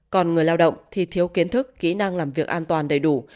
còn người lao động thì thiếu kiến thức kỹ năng làm việc an toàn đầy đủ